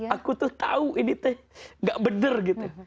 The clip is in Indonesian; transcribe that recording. aku tuh tahu ini teh gak bener gitu